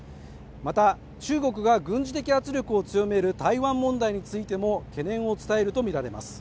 また中国が軍事的圧力を強める台湾問題についても懸念を伝えるとみられます